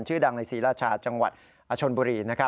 ชื่อดังในศรีราชาจังหวัดอชนบุรี